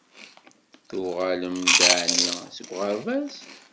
Tuɣalem-d ɛni seg uɣerbaz?